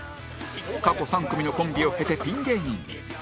過去３組のコンビを経てピン芸人に